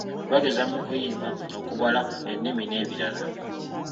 Bageza mu kuyimba, okubala, ennimi n'ebirala.